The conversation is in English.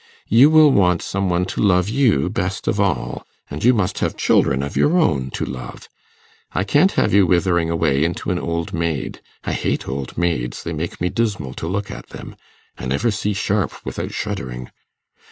You will want some one to love you best of all, and you must have children of your own to love. I can't have you withering away into an old maid. I hate old maids: they make me dismal to look at them. I never see Sharp without shuddering.